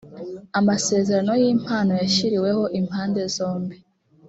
amasezerano y’impano yashyiriweho impande zombi